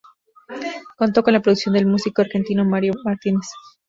Contó con la producción del músico argentino Mariano Martínez.